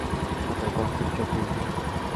它們的光度就不一樣